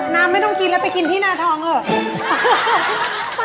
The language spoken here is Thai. น้ำไม่ต้องกินแล้วไปกินที่หน้าทองเหรอ